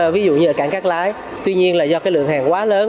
ví dụ như cảng cát lái tuy nhiên là do lượng hàng hóa lớn